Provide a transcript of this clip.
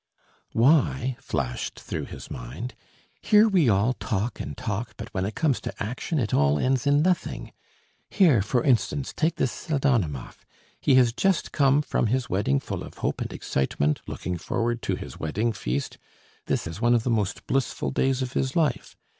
"Why," flashed through his mind, "here we all talk and talk, but when it comes to action it all ends in nothing. Here, for instance, take this Pseldonimov: he has just come from his wedding full of hope and excitement, looking forward to his wedding feast.... This is one of the most blissful days of his life....